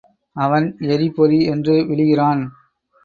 அவன் எரி பொரி என்று விழுகிறான்.